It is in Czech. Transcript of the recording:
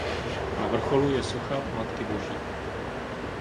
Na vrcholu je socha Matky Boží.